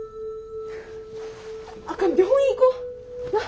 あかん病院行こう。